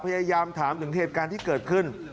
พยายามถามถึงเหตุการณ์ที่เกิดขึ้น